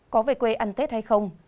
có về quê ăn tết hay không